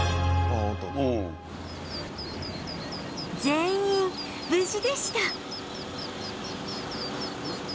全員無事でした